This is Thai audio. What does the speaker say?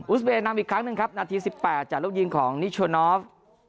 สเวย์นำอีกครั้งหนึ่งครับนาที๑๘จากลูกยิงของนิโชนอฟ